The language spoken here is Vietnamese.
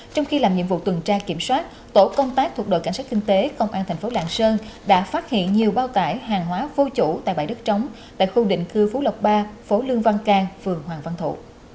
trong khi làm nhiệm vụ tuần tra kiểm soát tổ công tác thuộc đội cảnh sát kinh tế công an thành phố lạng sơn đã phát hiện nhiều bao tải hàng hóa vô chỗ tại bãi đất trống tại khu định cư phú lộc ba phố lương văn can phường hoàng văn thụ